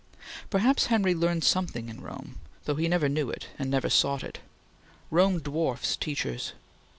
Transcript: Perhaps Henry learned something in Rome, though he never knew it, and never sought it. Rome dwarfs teachers.